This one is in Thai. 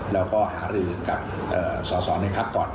แล้วก็หารือกับสอสอในพักก่อน